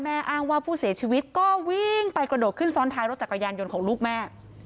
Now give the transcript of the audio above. อ้างว่าผู้เสียชีวิตก็วิ่งไปกระโดดขึ้นซ้อนท้ายรถจักรยานยนต์ของลูกแม่